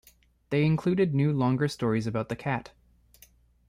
They included new longer stories about the Cat.